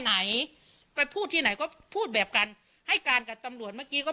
ไหนไปพูดที่ไหนก็พูดแบบกันให้การกับตำรวจเมื่อกี้ก็